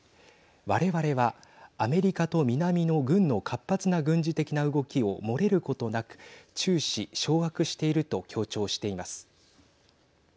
我々はアメリカと南の軍の活発な軍事的な動きを漏れることなく注視掌握していると強調しています。